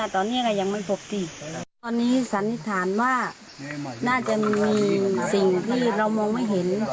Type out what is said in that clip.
ตอนนี้สันนิษฐานว่าน่าจะมีสิ่งที่เรามองไม่เห็น